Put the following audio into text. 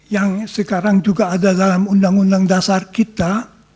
yang sekarang juga ada dalam undang undang dasar kita